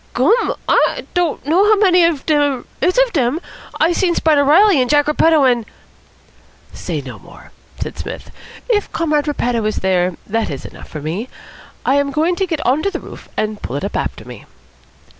"Gum! I don't know how many dere is ob dem. I seen Spider Reilly an' Jack Repetto an' " "Say no more," said Psmith. "If Comrade Repetto is there, that is enough for me. I am going to get on the roof and pull it up after me."